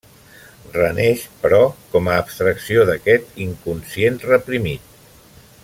Reneix, però, com a abstracció d'aquest inconscient reprimit.